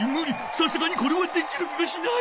さすがにこれはできる気がしない。